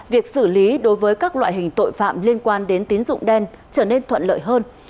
việc xử lý đối với các loại hình tội phạm liên quan đến tín dụng đen trở nên thuận lợi hơn